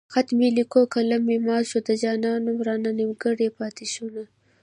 خط مې ليکو قلم مې مات شو د جانان نوم رانه نيمګړی پاتې شونه